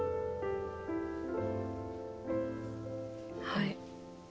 はい。